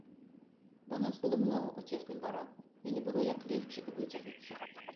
Бо нас было многа ў цесным бараку, і не было як легчы і выцягнуцца.